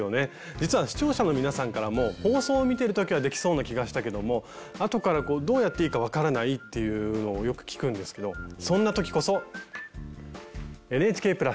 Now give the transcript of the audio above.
実は視聴者の皆さんからも放送を見てる時はできそうな気がしたけども後からどうやっていいか分からないっていうのをよく聞くんですけどそんな時こそ「ＮＨＫ＋」！